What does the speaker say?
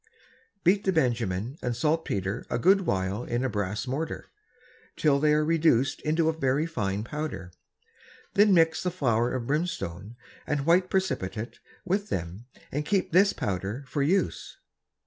Beat the Benjamin and Salt Petre a good while in a Brass Mortar, till they are reduced into a very fine Powder, then mix the Flower of Brimstone and White Precipitate with them and keep this Powder for Use.